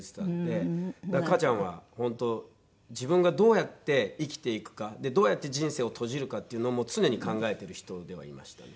だから母ちゃんは本当自分がどうやって生きていくかどうやって人生を閉じるかっていうのも常に考えてる人ではいましたね。